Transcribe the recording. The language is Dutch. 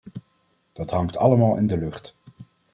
Dat hangt allemaal in de lucht.